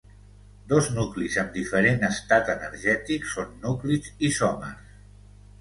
Dos núclids amb diferent estat energètic són núclids isòmers.